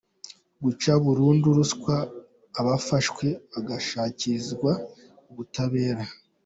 Guca burundu ruswa abafashwe bagashyikirizwa ubutabera.